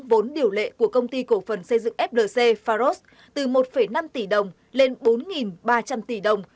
vốn điều lệ của công ty cổ phần xây dựng flc pharos từ một năm tỷ đồng lên bốn ba trăm linh tỷ đồng